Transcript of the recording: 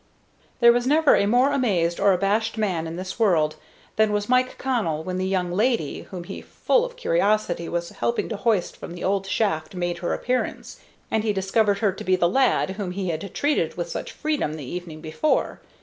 There was never a more amazed or abashed man in this world than was Mike Connell when the "young lady" whom he, full of curiosity, was helping to hoist from the old shaft made her appearance, and he discovered her to be the "lad" whom he had treated with such freedom the evening before.